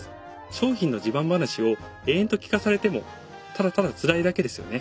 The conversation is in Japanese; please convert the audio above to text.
商品の自慢話を延々と聞かされてもただただつらいだけですよね。